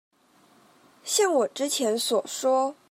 像我之前所說